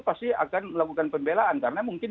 pasti akan melakukan pembelaan karena mungkin